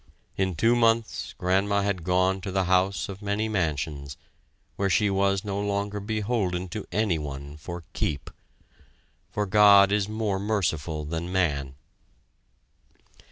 In two months Grandma had gone to the house of many mansions, where she was no longer beholden to anyone for "keep" for God is more merciful than man!